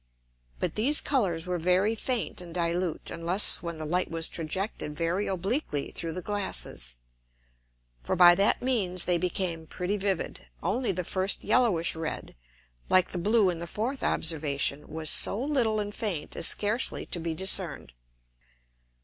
But these Colours were very faint and dilute, unless when the Light was trajected very obliquely through the Glasses: For by that means they became pretty vivid. Only the first yellowish red, like the blue in the fourth Observation, was so little and faint as scarcely to be discern'd.